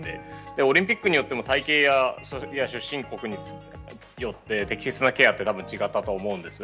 オリンピックによっても体形や出身国によって適切なケアって多分、違ったと思うんです。